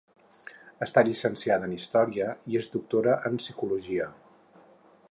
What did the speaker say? Està llicenciada en història i és doctora en Psicologia.